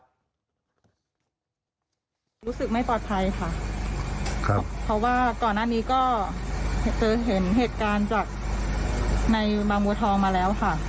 รู้สึกไม่ปลอดภัยค่ะครับเพราะว่าก่อนหน้านี้ก็เห็นเหตุการณ์จากในบางบัวทองมาแล้วค่ะ